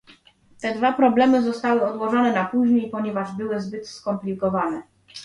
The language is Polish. Te dwa problemy zostały odłożone na później, ponieważ były zbyt skomplikowane